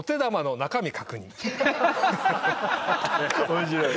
面白い。